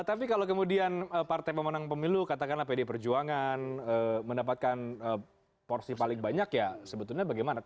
tapi kalau kemudian partai pemenang pemilu katakanlah pd perjuangan mendapatkan porsi paling banyak ya sebetulnya bagaimana